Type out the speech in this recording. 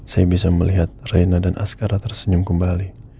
saya bisa melihat reina dan askara tersenyum kembali